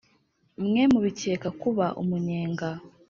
mwe mubikeka kuba umunyenga